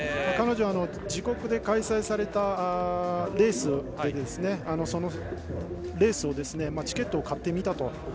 彼女は自国で開催されたレースをチケットを買って見たと。